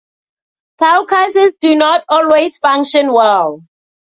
Caucuses do not always function well.